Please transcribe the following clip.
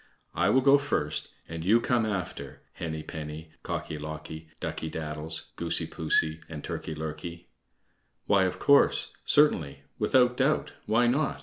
I will go first and you come after, Henny penny, Cocky locky, Ducky daddles, Goosey poosey, and Turkey lurkey." "Why, of course, certainly, without doubt, why not?"